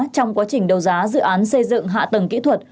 trong quá trình đấu giá dự án xây dựng hạ tầng kỹ thuật